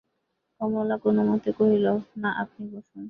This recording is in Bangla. কমলা কোনোমতে কহিল, না, আপনি বসুন।